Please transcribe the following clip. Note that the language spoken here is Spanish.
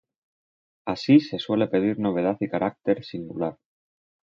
Así se suele pedir novedad y carácter singular.